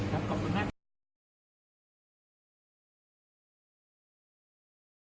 ครับขอบคุณมาก